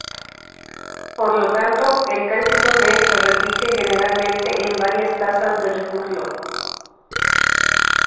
Por lo tanto, el cálculo de se repite generalmente en varias tasas de reflujo.